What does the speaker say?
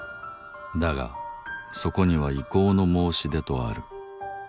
だがそこには「意向の申し出」とある。